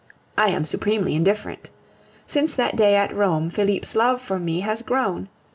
I am supremely indifferent. Since that day at Rome Felipe's love for me has grown.